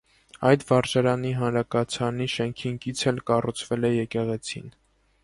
Այդ վարժարանի հանրակացարանի շենքին կից էլ կառուցվել է եկեղեցին։